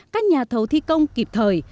các nhà thầu thi công kịp thời